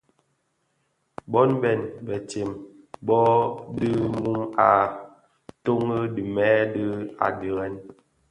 Bon bèn betsem bō dhi mum a toň dhimèè dii a dhirèn.